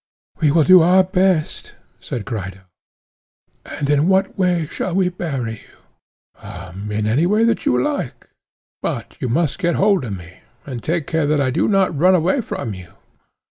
We will do our best, said Crito: And in what way shall we bury you? In any way that you like; but you must get hold of me, and take care that I do not run away from you.